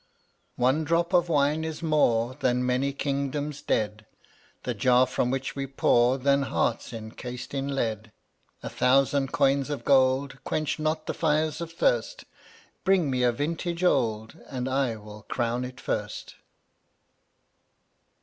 103 One drop of wine is more Than many kingdoms dead, The jar from which we pour Than hearts encased in lead. A thousand coins of gold Quench not the fires of thirst; Bring me a vintage old And I will crown it first.